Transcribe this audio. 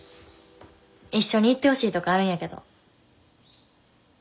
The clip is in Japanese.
一緒に行ってほしいとこあるんやけど。